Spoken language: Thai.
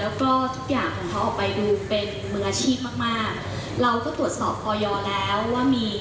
แล้วก็การสื่อโฆษณาแล้วก็ทุกอย่างของเขาออกไปดูเป็นมืออาชีพมาก